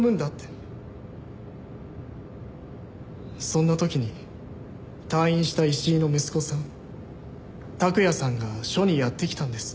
そんな時に退院した石井の息子さん琢也さんが署にやって来たんです。